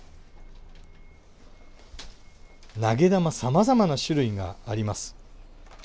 投げ玉さまざまな種類があります。